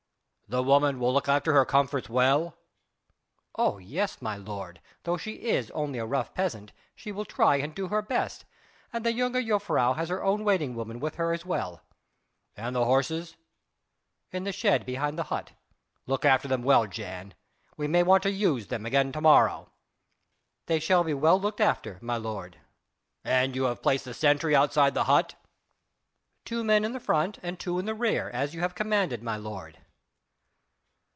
"The woman will look after her comforts well?" "Oh, yes, my lord, though she is only a rough peasant, she will try and do her best, and the jongejuffrouw has her own waiting woman with her as well." "And the horses?" "In the shed behind the hut." "Look after them well, Jan: we may want to use them again to morrow." "They shall be well looked after, my lord." "And you have placed the sentry outside the hut?" "Two men in the front and two in the rear, as you have commanded, my lord."